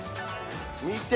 見て。